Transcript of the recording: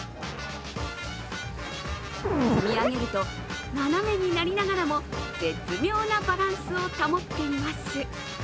積み上げると斜めになりながらも絶妙なバランスを保っています。